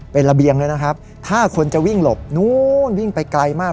เป็นระเบียงเลยนะครับถ้าคนจะวิ่งหลบนู้นวิ่งไปไกลมาก